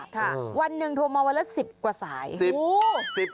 ค่ะวันหนึ่งโทรมาวันละ๑๐กว่าสาย